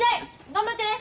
頑張ってね！